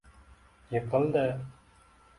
Yiqildi.